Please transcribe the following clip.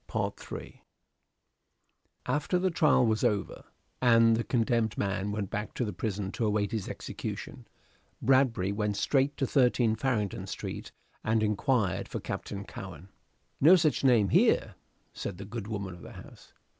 CHAPTER III After the trial was over, and the condemned man led back to prison to await his execution, Bradbury went straight to 13 Farringdon Street and inquired for Captain Cowen. "No such name here," said the good woman of the house.